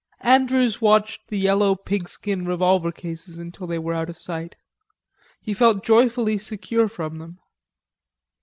Andrews watched the yellow pigskin revolver cases until they were out of sight. He felt joyfully secure from them.